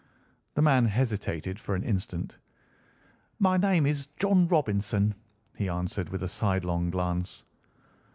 The man hesitated for an instant. "My name is John Robinson," he answered with a sidelong glance.